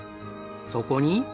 そこに。